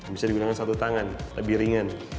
bisa digunakan satu tangan lebih ringan